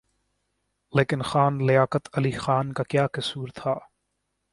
لیکن خان لیاقت علی خان کا کیا قصور تھا؟